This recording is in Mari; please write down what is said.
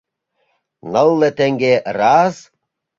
— Нылле теҥге, раз!